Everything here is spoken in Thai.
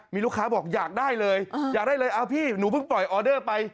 มีลูกค้าบอกอยากได้เลยอยากได้เลยเอาพี่หนูเพิ่งปล่อยออเดอร์ไป